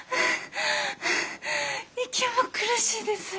息も苦しいです。